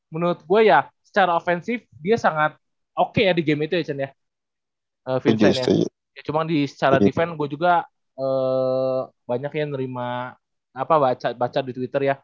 menurut gua ya secara offensive dia sangat